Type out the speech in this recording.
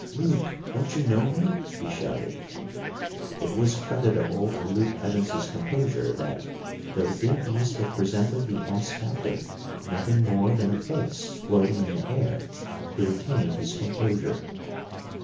"Luke, don't you know me?" he shouted. It was creditable to Luke Evans's composure that, though Dick must have presented the aspect of nothing more than a face floating in the air, he retained his composure.